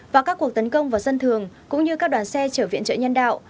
và các cuộc tấn công vào dân thường cũng như các đoàn xe chở viện trợ nhân đạo